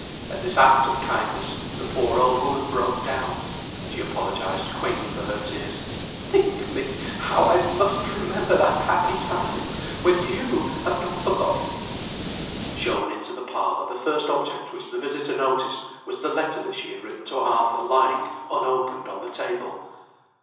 At this act of kindness the poor old woman broke down; she apologised quaintly for her tears: "Think, Miss, how I must remember that happy time when you have not forgotten it." Shown into the parlour, the first object which the visitor noticed was the letter that she had written to Arthur lying unopened on the table.